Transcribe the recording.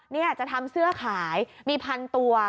นี่จะทำเสื้อขายมีพันตัว